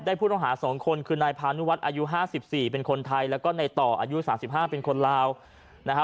ได้พูดอาหารสองคนคือนายพานุวัฒน์อายุห้าสิบสี่เป็นคนไทยแล้วก็ในต่ออายุสามสิบห้าเป็นคนลาวนะฮะ